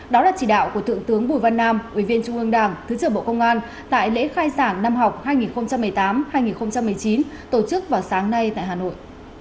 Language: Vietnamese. đó là chỉ đạo của thượng tướng bùi văn nam ủy viên trung ương đảng thứ trưởng bộ công an tại lễ khai giảng năm học hai nghìn một mươi tám hai nghìn một mươi chín tổ chức vào sáng nay tại hà nội